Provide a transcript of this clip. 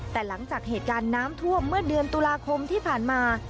แต่หลังจากเหตุการณ์น้ำท่วมเมื่อเดือนตุลาคมที่ผ่านมา